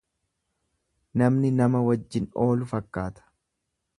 Namni nama wajjin oolu fakkaata.